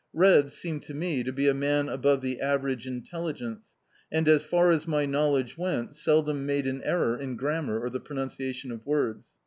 Red seemed to me to be a man above the average intelligence, and, as far as my knowledge went, seldom made an error in grammar or the pronun ciation of words.